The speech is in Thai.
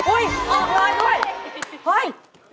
อุ๊ยออกเลยด้วย